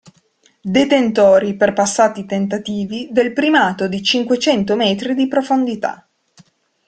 Detentori, per passati tentativi, del primato di cinquecento metri di profondità.